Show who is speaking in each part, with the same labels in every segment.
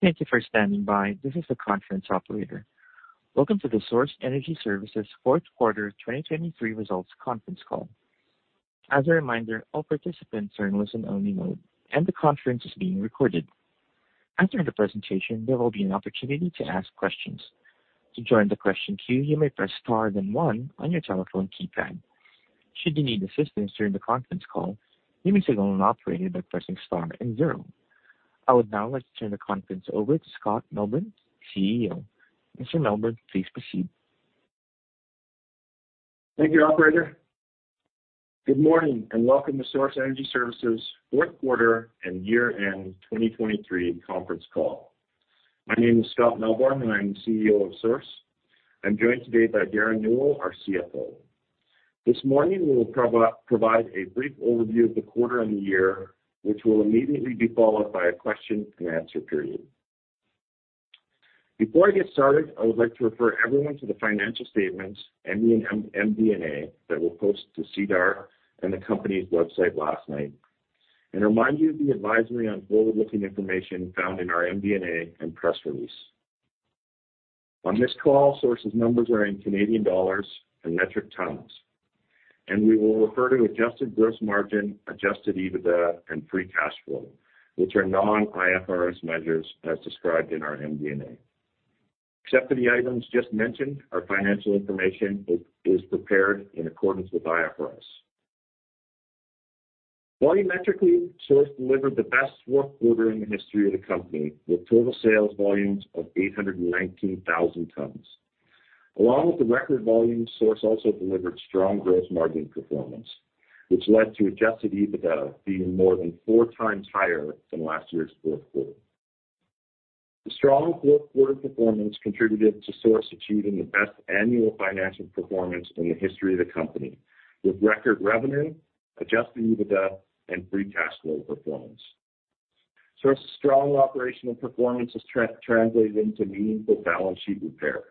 Speaker 1: Thank you for standing by. This is the conference operator. Welcome to the Source Energy Services fourth quarter 2023 results conference call. As a reminder, all participants are in listen-only mode, and the conference is being recorded. After the presentation, there will be an opportunity to ask questions. To join the question queue, you may press Star, then one on your telephone keypad. Should you need assistance during the conference call, you may signal an operator by pressing Star and zero. I would now like to turn the conference over to Scott Melbourn, CEO. Mr. Melbourn, please proceed.
Speaker 2: Thank you, operator. Good morning, and welcome to Source Energy Services fourth quarter and year-end 2023 conference call. My name is Scott Melbourn, and I am CEO of Source. I'm joined today by Derren Newell, our CFO. This morning, we will provide a brief overview of the quarter and the year, which will immediately be followed by a question and answer period. Before I get started, I would like to refer everyone to the financial statements and the MD&A that were posted to SEDAR and the company's website last night and remind you of the advisory on forward-looking information found in our MD&A and press release. On this call, Source's numbers are in Canadian dollars and metric tons, and we will refer to adjusted gross margin, adjusted EBITDA, and free cash flow, which are non-IFRS measures, as described in our MD&A. Except for the items just mentioned, our financial information is prepared in accordance with IFRS. Volumetrically, Source delivered the best fourth quarter in the history of the company, with total sales volumes of 819,000 tons. Along with the record volume, Source also delivered strong gross margin performance, which led to adjusted EBITDA being more than four times higher than last year's fourth quarter. The strong fourth quarter performance contributed to Source achieving the best annual financial performance in the history of the company, with record revenue, adjusted EBITDA, and free cash flow performance. Source's strong operational performance has translated into meaningful balance sheet repair.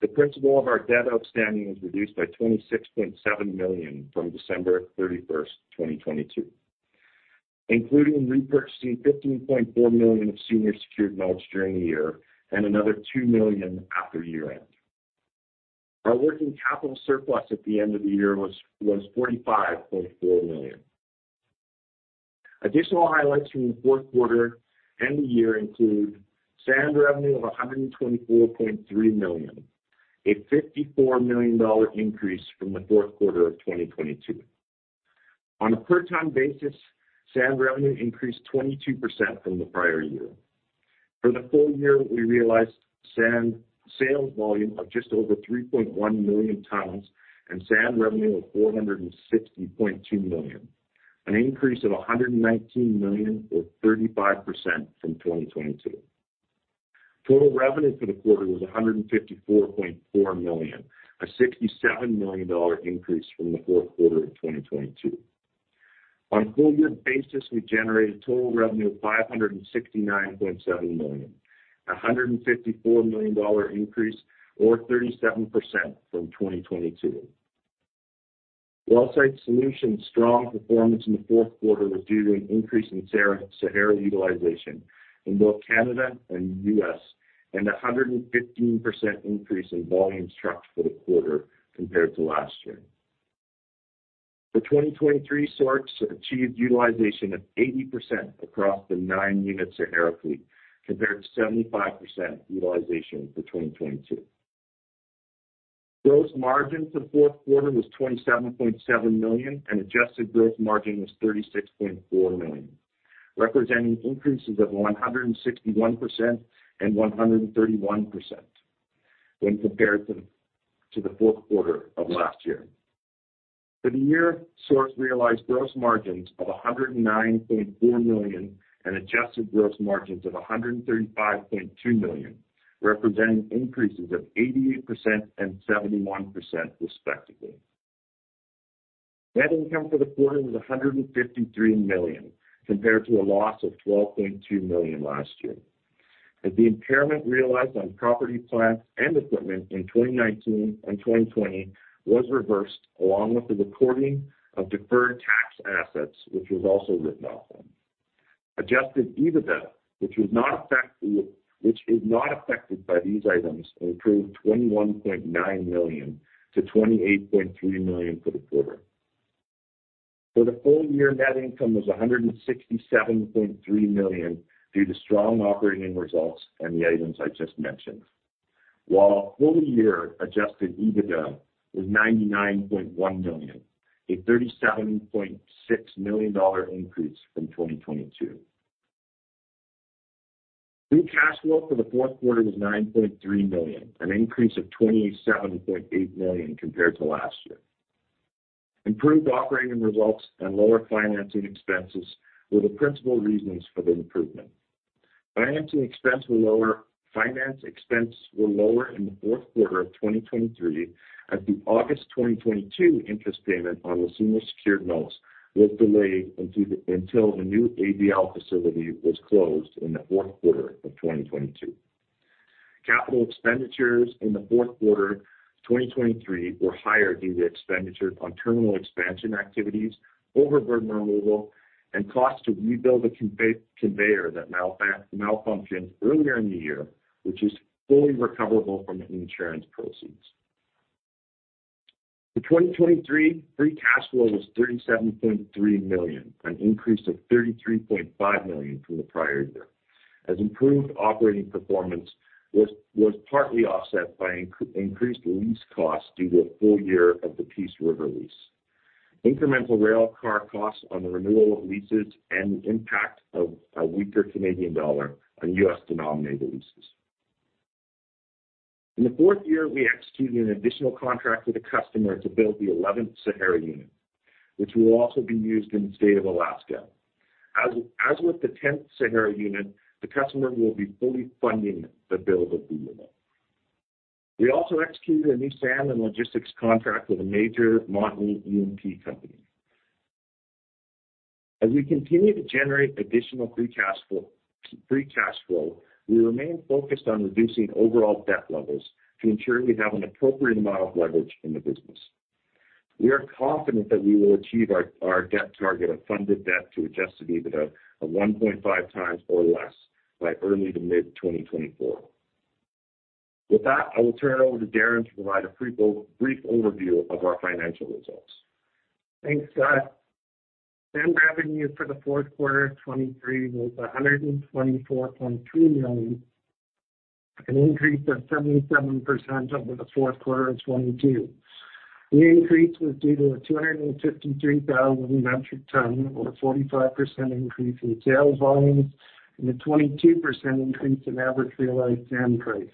Speaker 2: The principal of our debt outstanding was reduced by 26.7 million from December 31, 2022, including repurchasing 15.4 million of senior secured notes during the year and another 2 million after year-end. Our working capital surplus at the end of the year was 45.4 million. Additional highlights from the fourth quarter and the year include sand revenue of 124.3 million, a 54 million dollar increase from the fourth quarter of 2022. On a per ton basis, sand revenue increased 22% from the prior year. For the full year, we realized sand sales volume of just over 3.1 million tons and sand revenue of 460.2 million, an increase of 119 million or 35% from 2022. Total revenue for the quarter was 154.4 million, a 67 million dollar increase from the fourth quarter of 2022. On a full year basis, we generated total revenue of 569.7 million, 154 million dollar increase or 37% from 2022. Wellsite Solutions' strong performance in the fourth quarter was due to an increase in Sahara utilization in both Canada and the US, and 115% increase in volume trucks for the quarter compared to last year. For 2023, Source achieved utilization of 80% across the 9 units of Sahara fleet, compared to 75% utilization for 2022. Gross margin for the fourth quarter was 27.7 million, and adjusted gross margin was 36.4 million, representing increases of 161% and 131% when compared to the fourth quarter of last year. For the year, Source realized gross margins of 109.4 million and adjusted gross margins of 135.2 million, representing increases of 88% and 71%, respectively. Net income for the quarter was 153 million, compared to a loss of 12.2 million last year, as the impairment realized on property, plant, and equipment in 2019 and 2020 was reversed, along with the recording of deferred tax assets, which was also written off. Adjusted EBITDA, which is not affected by these items, improved 21.9 million to 28.3 million for the quarter. For the full year, net income was 167.3 million due to strong operating results and the items I just mentioned. While full year Adjusted EBITDA was 99.1 million, a 37.6 million dollar increase from 2022. Free cash flow for the fourth quarter was 9.3 million, an increase of 27.8 million compared to last year. Improved operating results and lower financing expenses were the principal reasons for the improvement. Finance expense were lower in the fourth quarter of 2023, as the August 2022 interest payment on the senior secured notes was delayed until the new ABL facility was closed in the fourth quarter of 2022. Capital expenditures in the fourth quarter of 2023 were higher due to expenditure on terminal expansion activities, overburden removal, and costs to rebuild a conveyor that malfunctioned earlier in the year, which is fully recoverable from insurance proceeds. For 2023, free cash flow was 37.3 million, an increase of 33.5 million from the prior year, as improved operating performance was partly offset by increased lease costs due to a full year of the Peace River lease, incremental rail car costs on the renewal of leases, and the impact of a weaker Canadian dollar on U.S. denominated leases. In the fourth year, we executed an additional contract with a customer to build the 11th Sahara unit, which will also be used in the state of Alaska. As with the 10th Sahara unit, the customer will be fully funding the build of the unit. We also executed a new sand and logistics contract with a major Montney E&P company. As we continue to generate additional free cash flow, free cash flow, we remain focused on reducing overall debt levels to ensure we have an appropriate amount of leverage in the business. We are confident that we will achieve our debt target of funded debt to Adjusted EBITDA of 1.5 times or less by early to mid-2024. With that, I will turn it over to Derren to provide a brief overview of our financial results.
Speaker 3: Thanks, Scott. Sand revenue for the fourth quarter of 2023 was 124.2 million, an increase of 77% over the fourth quarter of 2022. The increase was due to a 253,000 metric ton, or 45% increase in sales volumes, and a 22% increase in average realized sand price.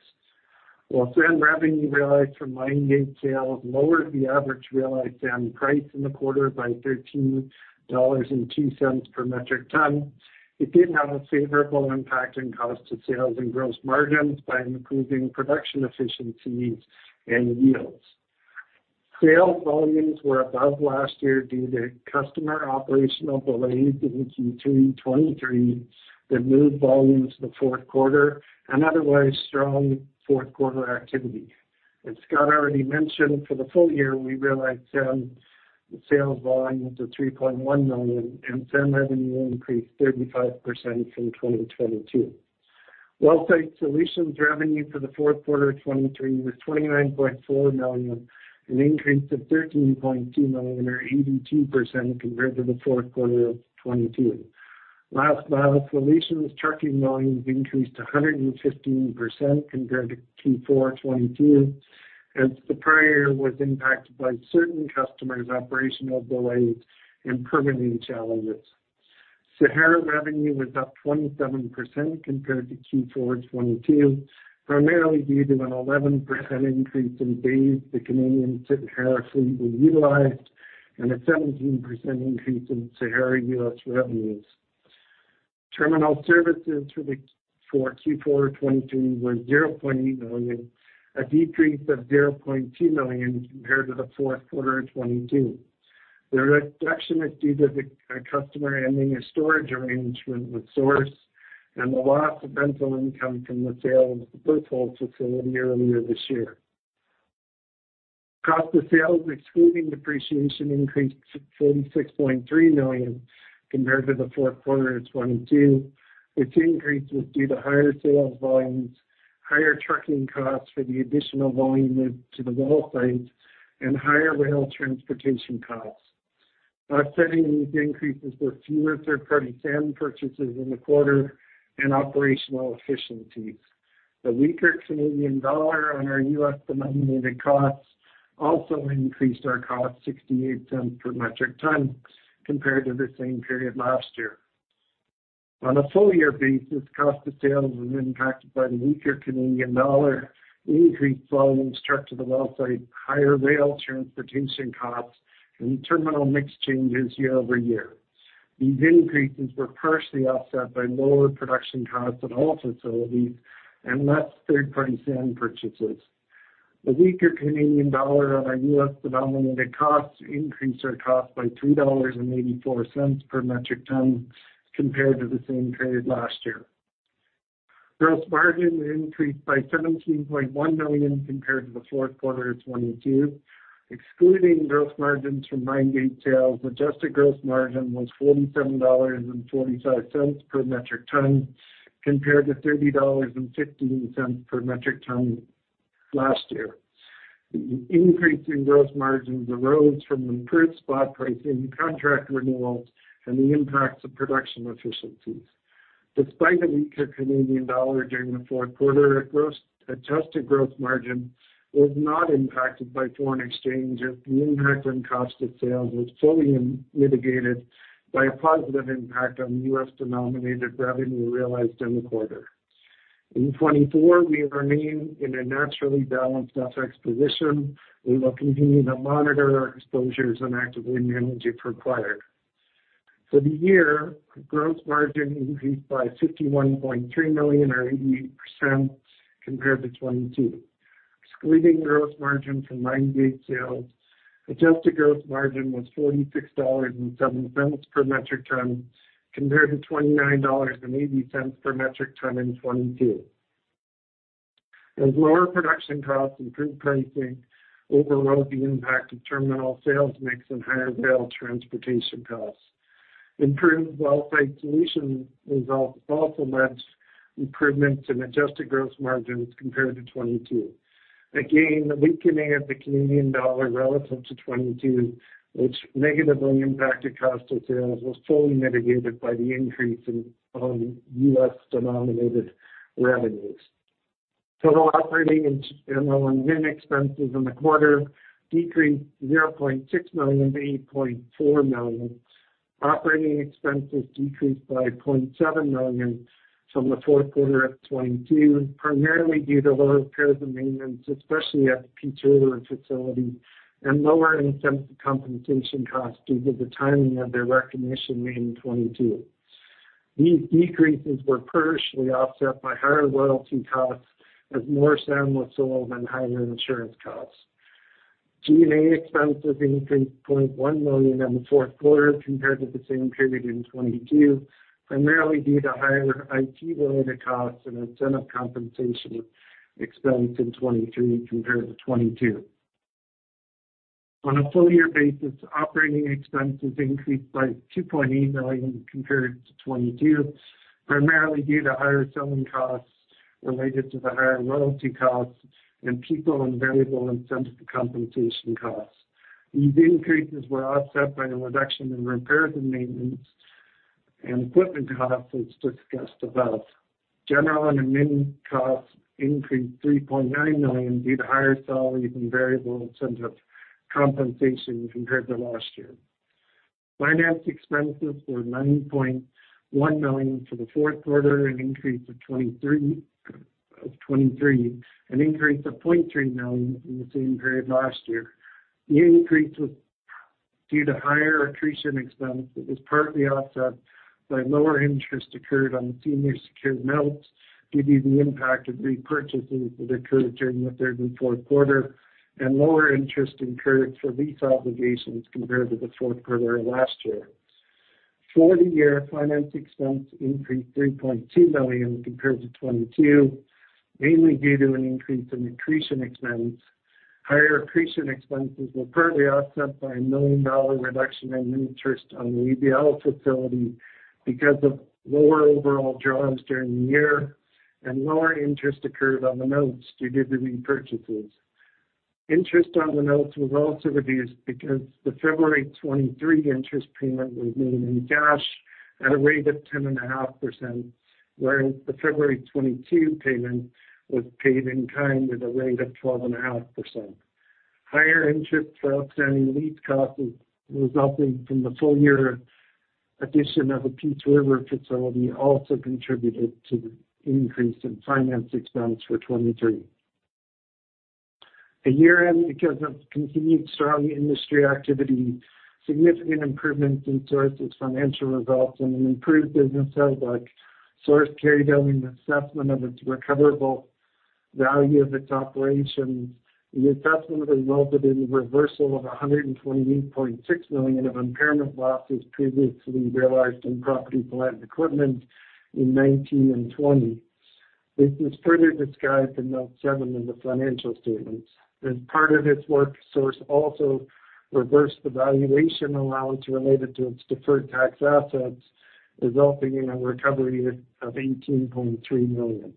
Speaker 3: While sand revenue realized from mine gate sales lowered the average realized sand price in the quarter by 13.02 dollars per metric ton, it did have a favorable impact on cost of sales and gross margins by improving production efficiencies and yields. Sales volumes were above last year due to customer operational delays in Q2 2023 that moved volumes to the fourth quarter and otherwise strong fourth quarter activity. As Scott already mentioned, for the full year, we realized sales volumes of 3.1 million, and sand revenue increased 35% from 2022. Wellsite Solutions revenue for the fourth quarter of 2023 was 29.4 million, an increase of 13.2 million, or 82% compared to the fourth quarter of 2022. Last Mile Solutions trucking volumes increased 115% compared to Q4 2022, as the prior year was impacted by certain customers' operational delays and permitting challenges. Sahara revenue was up 27% compared to Q4 2022, primarily due to an 11% increase in days the Canadian Sahara fleet were utilized and a 17% increase in Sahara US revenues. Terminal services for Q4 2023 were 0.8 million, a decrease of 0.2 million compared to the fourth quarter of 2022. The reduction is due to the customer ending a storage arrangement with Source and the loss of rental income from the sale of the Berthold facility earlier this year. Cost of sales, excluding depreciation, increased to 46.3 million compared to the fourth quarter of 2022. This increase was due to higher sales volumes, higher trucking costs for the additional volume moved to the wellsite, and higher rail transportation costs. Offsetting these increases were fewer third-party sand purchases in the quarter and operational efficiencies. The weaker Canadian dollar on our U.S. denominated costs also increased our cost 0.68 per metric ton compared to the same period last year. On a full year basis, cost of sales was impacted by the weaker Canadian dollar, increased volumes trucked to the wellsite, higher rail transportation costs, and terminal mix changes year-over-year. These increases were partially offset by lower production costs at all facilities and less third-party sand purchases. The weaker Canadian dollar on our US denominated costs increased our cost by 2.84 dollars per metric ton compared to the same period last year. Gross margin increased by 17.1 million compared to the fourth quarter of 2022. Excluding gross margins from mine gate sales, adjusted gross margin was 47.45 dollars per metric ton, compared to 30.15 dollars per metric ton last year. The increase in gross margins arose from improved spot pricing, contract renewals, and the impacts of production efficiencies. Despite a weaker Canadian dollar during the fourth quarter, our adjusted gross margin was not impacted by foreign exchange, as the impact on cost of sales was fully mitigated by a positive impact on US denominated revenue realized in the quarter. In 2024, we remain in a naturally balanced FX position. We will continue to monitor our exposures and actively manage, if required. For the year, our gross margin increased by 51.3 million, or 88% compared to 2022. Excluding gross margin from mine gate sales, adjusted gross margin was $46.07 per metric ton, compared to $29.80 per metric ton in 2022. As lower production costs and good pricing overwhelmed the impact of terminal sales mix and higher rail transportation costs. Improved Wellsite Solution result also led to improvements in adjusted gross margins compared to 2022. Again, the weakening of the Canadian dollar relative to 2022, which negatively impacted cost of sales, was fully mitigated by the increase in US-denominated revenues. Total operating and admin expenses in the quarter decreased 0.6 million to 8.4 million. Operating expenses decreased by 0.7 million from the fourth quarter of 2022, primarily due to lower repairs and maintenance, especially at the Peace River facility, and lower incentive compensation costs due to the timing of their recognition made in 2022. These decreases were partially offset by higher royalty costs, as more sand was sold and higher insurance costs. G&A expenses increased 0.1 million in the fourth quarter compared to the same period in 2022, primarily due to higher IT-related costs and incentive compensation expense in 2023 compared to 2022. On a full-year basis, operating expenses increased by 2.8 million compared to 2022, primarily due to higher selling costs related to the higher royalty costs and people and variable incentive compensation costs. These increases were offset by a reduction in repairs and maintenance and equipment costs, as discussed above. General and admin costs increased 3.9 million due to higher salaries and variable incentive compensation compared to last year. Finance expenses were 9.1 million for the fourth quarter, an increase of 0.3 million in the same period last year. The increase was due to higher accretion expense, that was partly offset by lower interest incurred on the senior secured notes, due to the impact of repurchases that occurred during the third and fourth quarter, and lower interest incurred for lease obligations compared to the fourth quarter of last year. For the year, finance expense increased 3.2 million compared to 2022, mainly due to an increase in accretion expense. Higher accretion expenses were partly offset by a 1 million-dollar reduction in interest on the ABL facility, because of lower overall draws during the year and lower interest incurred on the notes due to repurchases. Interest on the notes was also reduced because the February 2023 interest payment was made in cash at a rate of 10.5%, whereas the February 2022 payment was paid in kind at a rate of 12.5%. Higher interest for outstanding lease costs resulting from the full year addition of the Peace River facility also contributed to the increase in finance expense for 2023. At year-end because of continued strong industry activity, significant improvements in Source's financial results and an improved business outlook, Source carried out an assessment of its recoverable value of its operations. The assessment resulted in a reversal of 128.6 million of impairment losses previously realized in property, plant and equipment in 2019 and 2020. This is further described in Note 7 in the financial statements. As part of its work, Source also reversed the valuation allowance related to its deferred tax assets, resulting in a recovery of 18.3 million.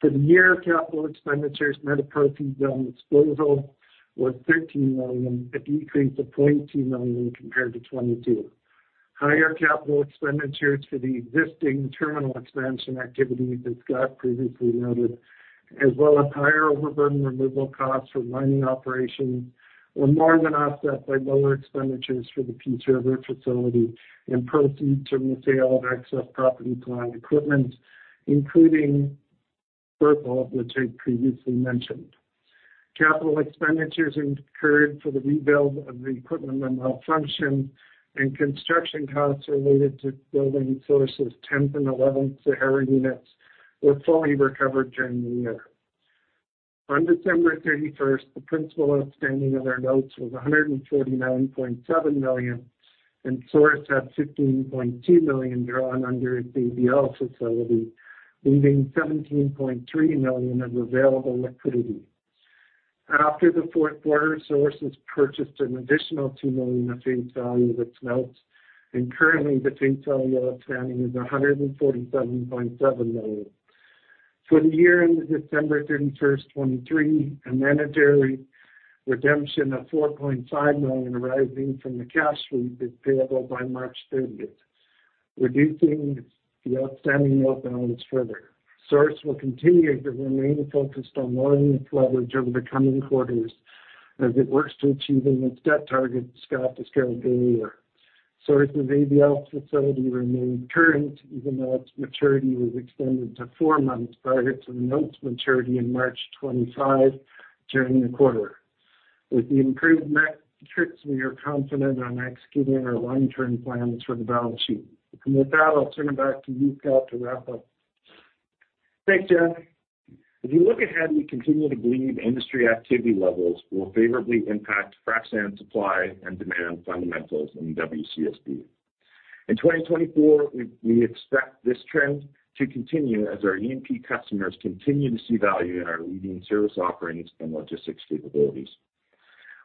Speaker 3: For the year, capital expenditures net of proceeds on disposal was 13 million, a decrease of 0.2 million compared to 2022. Higher capital expenditures for the existing terminal expansion activity, that Scott previously noted, as well as higher overburden removal costs for mining operations, were more than offset by lower expenditures for the Peace River facility and proceeds from the sale of excess property, plant and equipment, including Purple Springs, which I previously mentioned. Capital expenditures incurred for the rebuild of the equipment and malfunction and construction costs related to building Source's tenth and eleventh Sahara units were fully recovered during the year. On December thirty-first, the principal outstanding of our notes was 149.7 million, and Source had 15.2 million drawn under its ABL facility, leaving 17.3 million of available liquidity. After the fourth quarter, Source has purchased an additional 2 million at face value of its notes, and currently, the face value outstanding is 147.7 million. For the year-end December 31, 2023, a mandatory redemption of 4.5 million arising from the cash sweep is payable by March 30, reducing the outstanding note balance further. Source will continue to remain focused on lowering its leverage over the coming quarters as it works to achieving its debt target, Scott described earlier. Source's ABL facility remained current, even though its maturity was extended to 4 months prior to the note's maturity in March 2025 during the quarter.... With the improved metrics, we are confident on executing our long-term plans for the balance sheet. And with that, I'll turn it back to you, Scott, to wrap up.
Speaker 2: Thanks, Darren. If you look ahead, we continue to believe industry activity levels will favorably impact frac sand supply and demand fundamentals in WCSB. In 2024, we expect this trend to continue as our E&P customers continue to see value in our leading service offerings and logistics capabilities.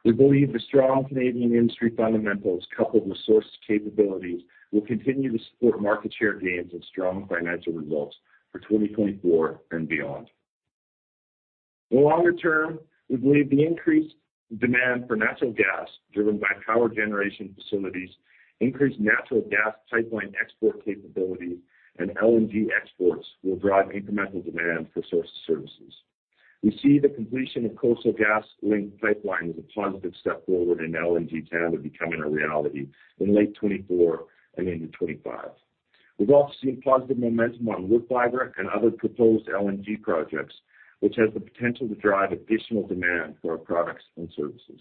Speaker 2: We believe the strong Canadian industry fundamentals, coupled with Source capabilities, will continue to support market share gains and strong financial results for 2024 and beyond. In the longer term, we believe the increased demand for natural gas, driven by power generation facilities, increased natural gas pipeline export capabilities, and LNG exports will drive incremental demand for Source services. We see the completion of Coastal GasLink pipeline as a positive step forward in LNG Canada becoming a reality in late 2024 and into 2025. We've also seen positive momentum on Woodfibre LNG and other proposed LNG projects, which has the potential to drive additional demand for our products and services.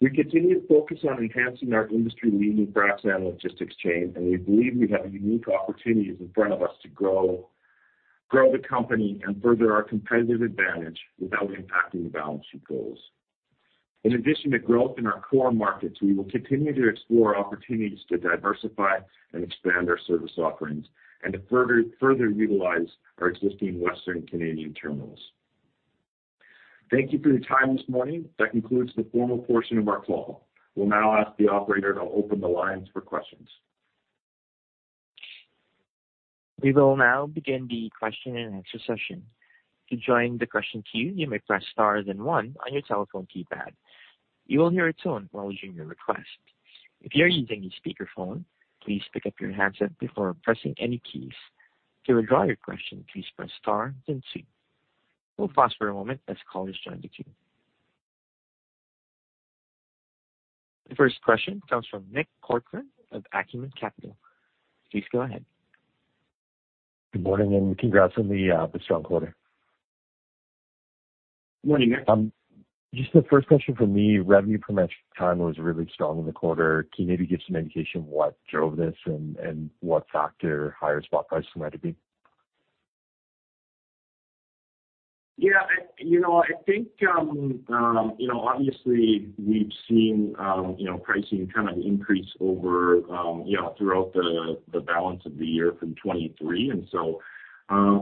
Speaker 2: We continue to focus on enhancing our industry-leading frac sand logistics chain, and we believe we have unique opportunities in front of us to grow, grow the company and further our competitive advantage without impacting the balance sheet goals. In addition to growth in our core markets, we will continue to explore opportunities to diversify and expand our service offerings and to further, further utilize our existing Western Canadian terminals. Thank you for your time this morning. That concludes the formal portion of our call. We'll now ask the operator to open the lines for questions.
Speaker 1: We will now begin the question-and-answer session. To join the question queue, you may press star then one on your telephone keypad. You will hear a tone acknowledging your request. If you are using a speakerphone, please pick up your handset before pressing any keys. To withdraw your question, please press star then two. We'll pause for a moment as callers join the queue. The first question comes from Nick Corcoran of Acumen Capital. Please go ahead.
Speaker 4: Good morning, and congrats on the strong quarter.
Speaker 2: Good morning, Nick.
Speaker 4: Just the first question from me, revenue per metric ton was really strong in the quarter. Can you maybe give some indication what drove this and what factor higher spot price might it be?
Speaker 2: Yeah, I, you know, I think, you know, obviously, we've seen, you know, pricing kind of increase over, you know, throughout the, the balance of the year from 2023. And so,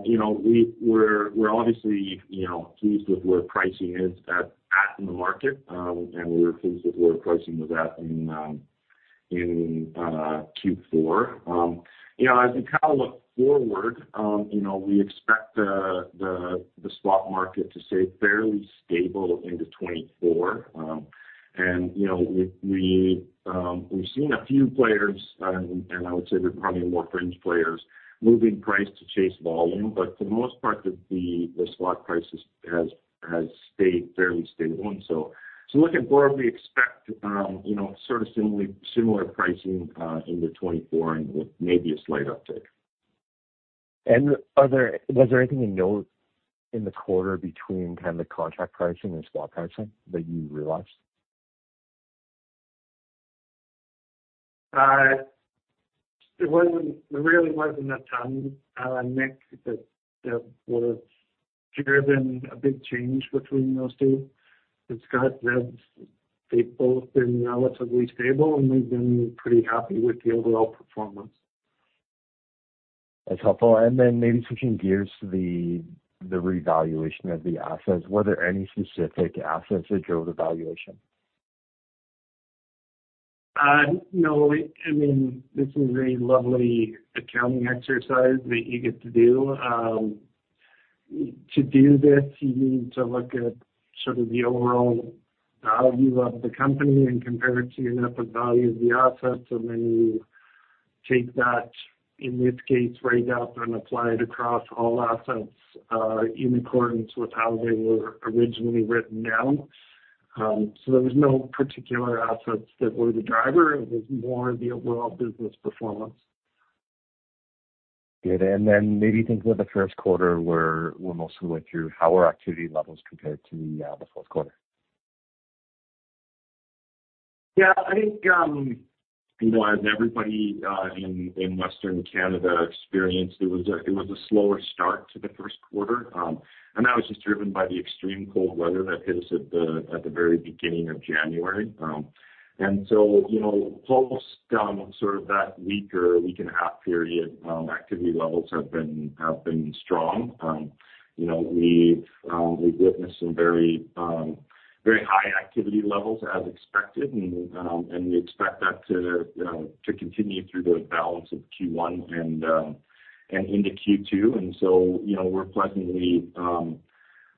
Speaker 2: you know, we're, we're obviously, you know, pleased with where pricing is at, at in the market, and we're pleased with where pricing was at in, in, Q4. You know, as we kind of look forward, you know, we expect, the, the spot market to stay fairly stable into 2024. And, you know, we, we, we've seen a few players, and I would say they're probably more fringe players, moving price to chase volume, but for the most part, the, the spot price has, has stayed fairly stable. So looking forward, we expect, you know, sort of similar pricing into 2024 and with maybe a slight uptick.
Speaker 4: Was there anything you note in the quarter between kind of the contract pricing and spot pricing that you realized?
Speaker 2: There wasn't, there really wasn't a ton, Nick, that that was driven a big change between those two. It's got that they've both been relatively stable, and we've been pretty happy with the overall performance.
Speaker 4: That's helpful. And then maybe switching gears to the revaluation of the assets. Were there any specific assets that drove the valuation?
Speaker 2: No, I mean, this is a lovely accounting exercise that you get to do. To do this, you need to look at sort of the overall view of the company and compare it to your net value of the assets. And then you take that, in this case, write-up and apply it across all assets, in accordance with how they were originally written down. So there was no particular assets that were the driver. It was more the overall business performance.
Speaker 4: Good. And then maybe thinking about the first quarter, where we mostly went through, how are activity levels compared to the fourth quarter?
Speaker 2: Yeah, I think, you know, as everybody in Western Canada experienced, it was a slower start to the first quarter. That was just driven by the extreme cold weather that hit us at the very beginning of January. So, you know, post sort of that week or week and a half period, activity levels have been strong. You know, we've witnessed some very very high activity levels as expected, and we expect that to continue through the balance of Q1 and into Q2. So, you know, we're pleasantly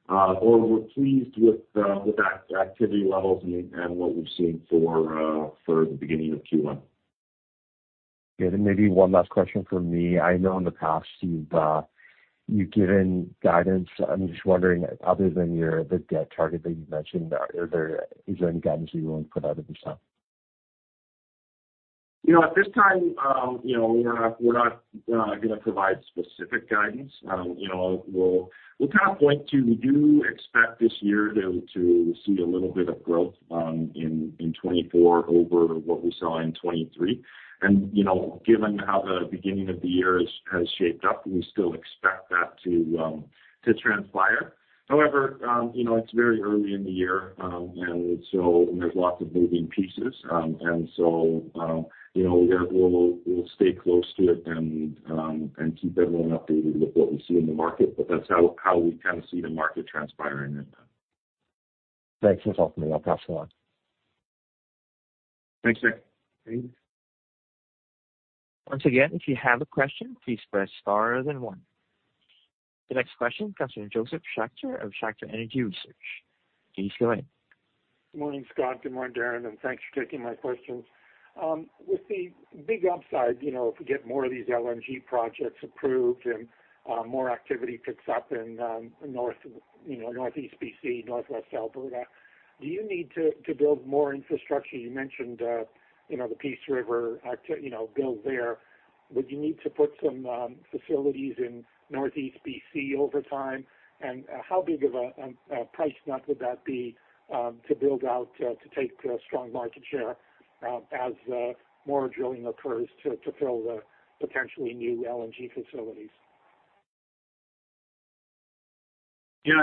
Speaker 2: or we're pleased with the activity levels and what we've seen for the beginning of Q1.
Speaker 4: Okay, then maybe one last question from me. I know in the past you've given guidance. I'm just wondering, other than your, the debt target that you mentioned, are there, is there any guidance you want to put out at this time?...
Speaker 2: You know, at this time, you know, we're not, we're not gonna provide specific guidance. You know, we'll, we'll kind of point to, we do expect this year to, to see a little bit of growth, in 2024 over what we saw in 2023. You know, given how the beginning of the year has, has shaped up, we still expect that to transpire. However, you know, it's very early in the year, and so there's lots of moving pieces. And so, you know, we'll stay close to it and keep everyone updated with what we see in the market, but that's how we kind of see the market transpiring at the moment.
Speaker 4: Thanks for talking to me. I'll pass along.
Speaker 2: Thanks, Nick.
Speaker 1: Once again, if you have a question, please press star then one. The next question comes from Josef Schachter of Schachter Energy Research. Please go ahead.
Speaker 5: Good morning, Scott. Good morning, Derren, and thanks for taking my questions. With the big upside, you know, if we get more of these LNG projects approved and, more activity picks up in, north, you know, Northeast BC, Northwest Alberta, do you need to, to build more infrastructure? You mentioned, you know, the Peace River asset, you know, build there. Would you need to put some, facilities in Northeast BC over time? And, how big of a, a price tag would that be, to build out, to take, strong market share, as, more drilling occurs to, to fill the potentially new LNG facilities?
Speaker 2: Yeah,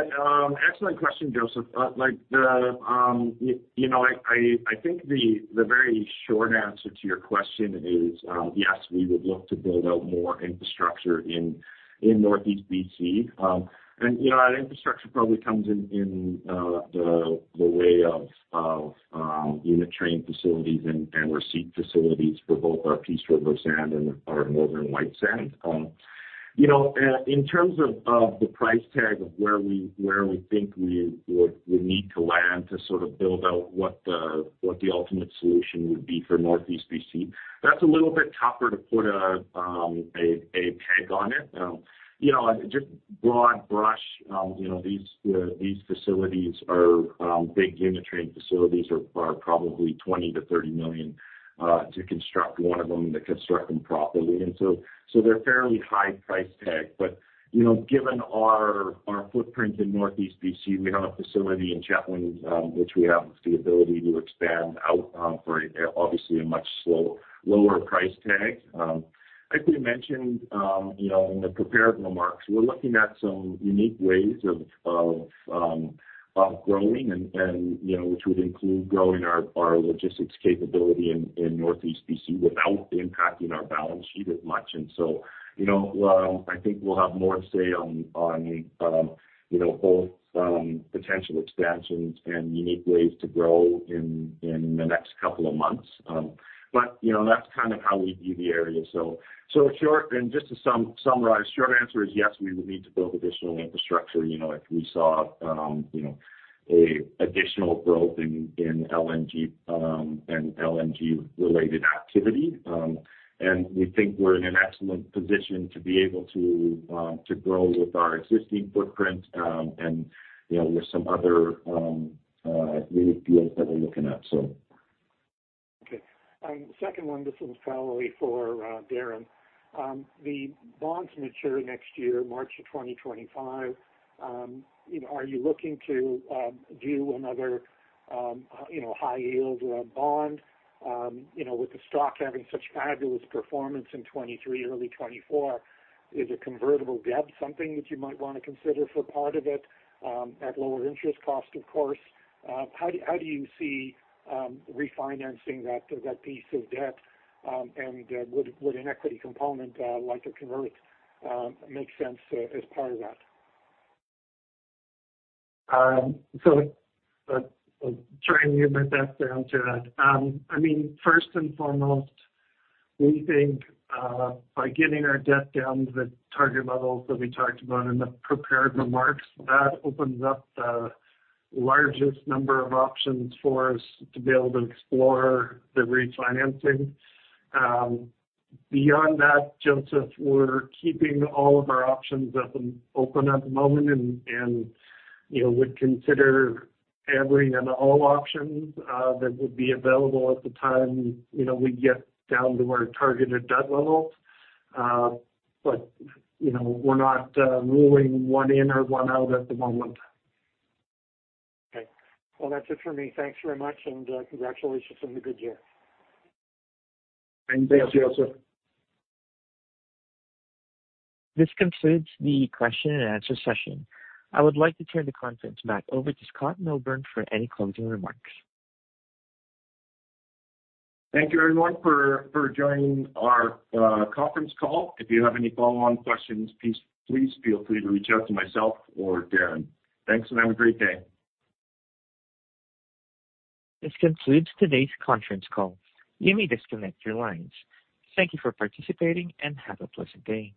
Speaker 2: excellent question, Josef. Like, you know, I think the very short answer to your question is, yes, we would look to build out more infrastructure in Northeast BC. And, you know, that infrastructure probably comes in the way of unit train facilities and receipt facilities for both our Peace River sand and our Northern White Sand. You know, in terms of the price tag of where we think we would need to land to sort of build out what the ultimate solution would be for Northeast BC, that's a little bit tougher to put a tag on it. You know, just broad brush, you know, these facilities are big unit train facilities, are probably 20 million-30 million to construct one of them, to construct them properly. So they're fairly high price tag. But you know, given our footprint in Northeast BC, we have a facility in Chetwynd, which we have the ability to expand out, for obviously a much slower, lower price tag. Like we mentioned, you know, in the prepared remarks, we're looking at some unique ways of growing and, you know, which would include growing our logistics capability in Northeast BC without impacting our balance sheet as much. So, you know, I think we'll have more to say on, on, you know, both potential expansions and unique ways to grow in, in the next couple of months. But, you know, that's kind of how we view the area. So, short, and just to summarize, short answer is yes, we would need to build additional infrastructure, you know, if we saw, you know, an additional growth in, in LNG, and LNG-related activity. And we think we're in an excellent position to be able to grow with our existing footprint, and, you know, with some other unique deals that we're looking at, so.
Speaker 5: Okay. Second one, this is probably for Derren. The bonds mature next year, March of 2025. You know, are you looking to do another, you know, high yield bond? You know, with the stock having such fabulous performance in 2023, early 2024, is a convertible debt something that you might want to consider for part of it, at lower interest cost, of course? How do you see refinancing that piece of debt? And would an equity component, like a convert, make sense as part of that?
Speaker 3: So trying to get my debt down to that. I mean, first and foremost, we think by getting our debt down to the target levels that we talked about in the prepared remarks, that opens up the largest number of options for us to be able to explore the refinancing. Beyond that, Josef, we're keeping all of our options open at the moment and, you know, would consider every and all options that would be available at the time, you know, we get down to our targeted debt level. But, you know, we're not ruling one in or one out at the moment.
Speaker 5: Okay. Well, that's it for me. Thanks very much, and, congratulations on the good year.
Speaker 3: Thanks, Josef.
Speaker 1: This concludes the question and answer session. I would like to turn the conference back over to Scott Melbourn for any closing remarks.
Speaker 2: Thank you everyone for joining our conference call. If you have any follow-on questions, please feel free to reach out to myself or Derren. Thanks, and have a great day.
Speaker 1: This concludes today's conference call. You may disconnect your lines. Thank you for participating and have a pleasant day.